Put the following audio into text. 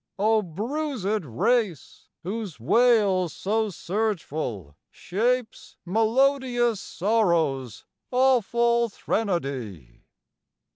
O bruisëd race, whose wail so surgeful shapes Melodious sorrow's awful threnody!